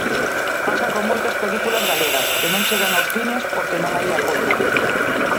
Pasa con moitas películas galegas que non chegan aos cines porque non hai apoio.